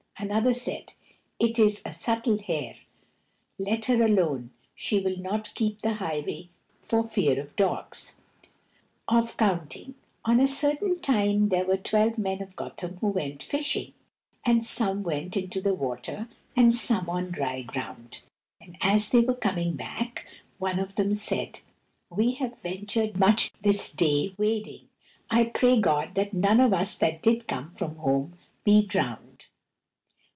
Another said, "It is a subtle hare, let her alone; she will not keep the highway for fear of dogs." Of Counting On a certain time there were twelve men of Gotham who went fishing, and some went into the water and some on dry ground; and, as they were coming back, one of them said, "We have ventured much this day wading; I pray God that none of us that did come from home be drowned."